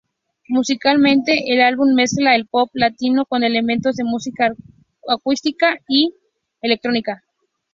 Musicalmente, el álbum mezcla el pop latino con elementos de música acústica y electrónica.